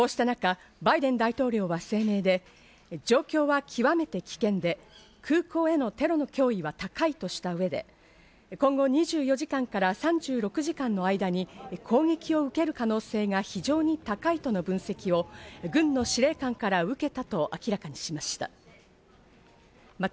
こうした中、バイデン大統領は声明で、状況は極めて危険で、空港へのテロの脅威は高いとした上で、今後、２４時間から３６時間の間に攻撃を受ける可能性が非常に高いとの分析を軍の司令官から受けたと明らかにしました。